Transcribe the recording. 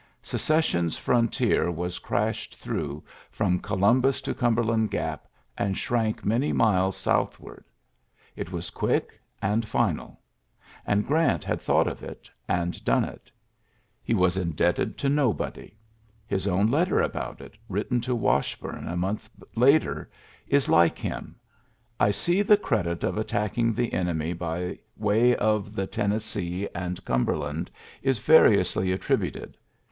Secession's firontier was crashed through from Columbus to Cumberland Gap, and shrank many miles ^ southward. It was quick and final; and Grant had thought of it, and done it He was indebted to nobody. Hjs own letter about it, written to Wash bume a month later, is like him :" I see the credit of attacking the enemy by the way of the Tennessee and Cumberland is variously attributed.